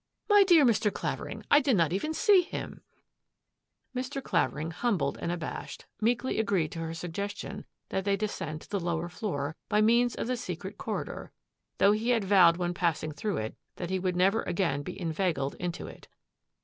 My dear Mr. Claver ing, I did not even see him !" Mr. Clavering, humbled and abashed, meekly agreed to her suggestion that they descend to the lower floor by means of the secret corridor, though he had vowed when passing through it that he would never. again be inveigled into it.